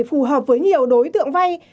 phù hợp với nhiều đối tượng vay